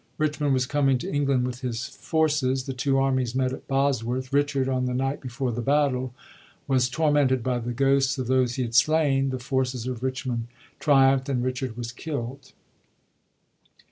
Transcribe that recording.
Richmond was coming to England with his forces. The two armies met at Bosworth. Richard, on the night before the battle, was tormented by the ghosts of those he had slain. The forces of Richmond triumpht, and Richard was killd.